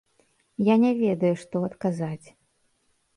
Я не ведаю, што адказаць.